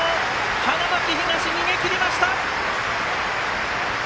花巻東、逃げ切りました。